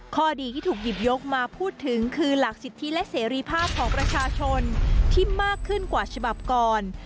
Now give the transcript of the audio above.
ข้อดีที่ถูกหยิบยกมาพูดถึงคือหลักสิทธิและเสรีภาพของประชาชนที่มากขึ้นกว่าฉบับก่อน